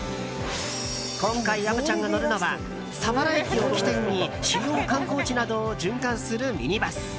今回、虻ちゃんが乗るのは佐原駅を起点に主要観光地などを循環するミニバス。